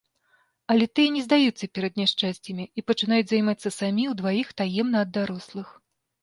Але тыя не здаюцца перад няшчасцямі і пачынаюць займацца самі, удваіх, таемна ад дарослых.